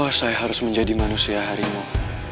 wah saya harus menjadi manusia harimau